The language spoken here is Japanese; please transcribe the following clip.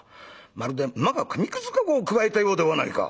まるで馬が紙くず籠をくわえたようではないか」。